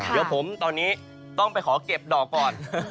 เดี๋ยวผมตอนนี้ต้องไปขอเก็บดอกก่อน